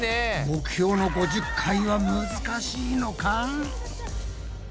目標の５０回はむずかしいのか？